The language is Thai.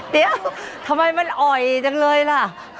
เดี๋ยวทำไมมันอ่อยจังเลยล่ะ